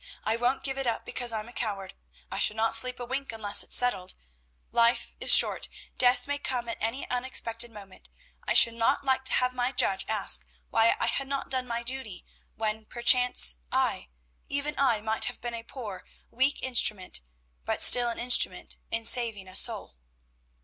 "I won't give it up because I'm a coward. I shall not sleep a wink unless it's settled. Life is short; death may come at any unexpected moment. I should not like to have my Judge ask why I had not done my duty, when, perchance, I, even I, might have been a poor, weak instrument, but still an instrument, in saving a soul."